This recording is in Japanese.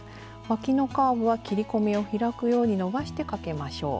わきのカーブは切り込みを開くように伸ばしてかけましょう。